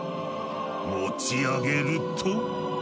持ち上げると。